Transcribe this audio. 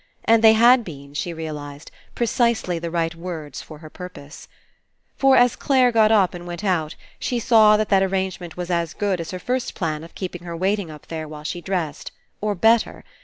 And they had been, she realized, precisely the right words for her purpose. For as Clare got up and went out, she saw that that arrangement was as good as her first plan of keeping her waiting up there while she dressed — or better.